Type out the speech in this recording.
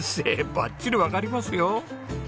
バッチリわかりますよ。